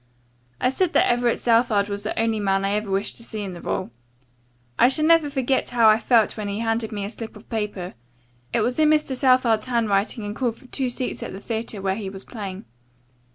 I said that Everett Southard was the only man I ever wished to see in the role. I shall never forget how I felt when he handed me a slip of paper. It was in Mr. Southard 's handwriting and called for two seats at the theatre where he was playing.